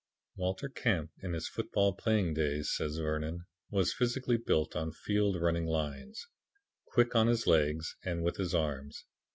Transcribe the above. "Walter Camp in his football playing days," says Vernon, "was built physically on field running lines; quick on his legs and with his arms.